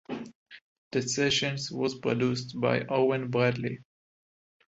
The sessions was produced by Owen Bradley.